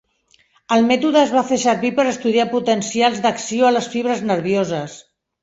El mètode es va fer servir per estudiar potencials d'acció a les fibres nervioses.